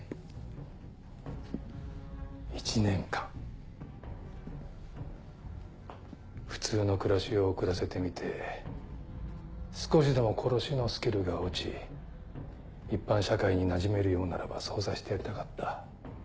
１年間普通の暮らしを送らせてみて少しでも殺しのスキルが落ち一般社会になじめるようならばそうさせてやりたかった。